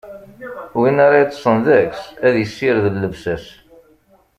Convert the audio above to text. Win ara yeṭṭṣen deg-s, ad issired llebsa-s.